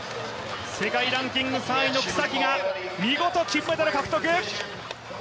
世界ランキング３位の草木が見事金メダル獲得。